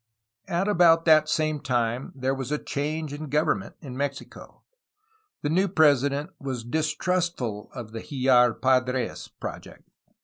At about that same time there was a change in govern ment in Mexico. The new president was distrustful of the Hfjar Padr^s project.